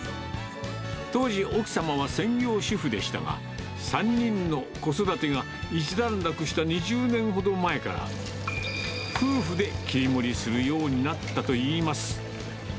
当時、奥様は専業主婦でしたが、３人の子育てが一段落した２０年ほど前から、夫婦で切り盛りするようになったといいます。